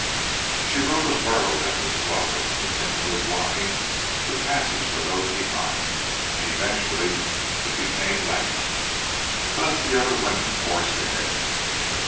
She rode a burro that was slow, continually blocking the passage for those behind, and eventually it became lame. Thus the other women forged ahead.